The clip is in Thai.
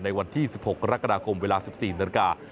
ในวันที่๑๖รักษณะคมเวลา๑๔นาที